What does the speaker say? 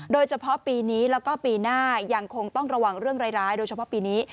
โดยเฉพาะปีนี้แล้วก็ปีหน้ายังคงต้องระวังเรื่องร้ายโดยเฉพาะปีนี้